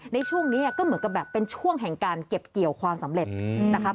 ในช่วงนี้ก็เหมือนกับแบบเป็นช่วงแห่งการเก็บเกี่ยวความสำเร็จนะคะ